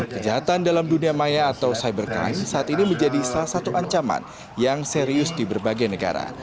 kejahatan dalam dunia maya atau cybercrime saat ini menjadi salah satu ancaman yang serius di berbagai negara